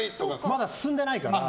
まだ進んでないから。